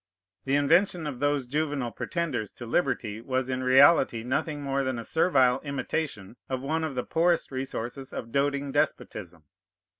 The invention of those juvenile pretenders to liberty was in reality nothing more than a servile imitation of one of the poorest resources of doting despotism.